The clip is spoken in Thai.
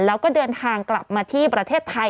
แล้วก็เดินทางกลับมาที่ประเทศไทย